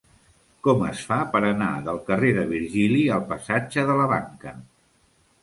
Com es fa per anar del carrer de Virgili al passatge de la Banca?